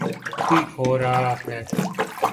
ٹھیک ہو رہا ہے۔